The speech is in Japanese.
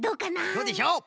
どうでしょう？